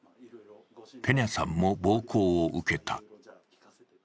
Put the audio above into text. ペニャさんも暴行を受けた。